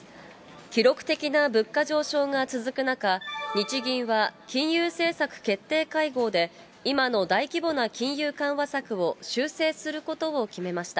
記録的な物価上昇が続く中、日銀は金融政策決定会合で、今の大規模な金融緩和策を修正することを決めました。